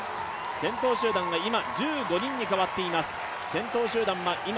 先頭集団が１５人に変わっています。